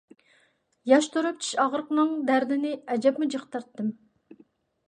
ياش تۇرۇپ چىش ئاغرىقىنىڭ دەردىنى ئەجەبمۇ جىق تارتتىم.